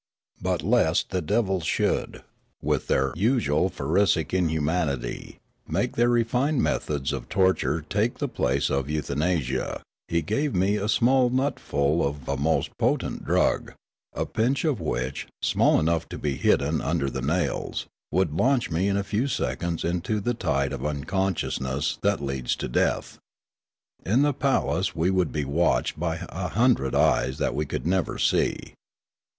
But lest the devils should, with their usual pharisaic inhumanity, make their refined methods of torture take the place of euthanasia, he gave me a small nutful of a most potent drug, a pinch of which, small enough to be hidden under the nails, would launch me in a few seconds into the tide of unconsciousness that leads to death. In the palace we would be watched by a hundred eyes that we could never see.